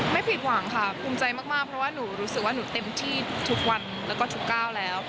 ไม่ผิดหวังค่ะภูมิใจมากเพราะว่าหนูรู้สึกว่าหนูเต็มที่ทุกวันแล้วก็ทุกก้าวแล้ว